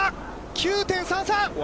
９．３３。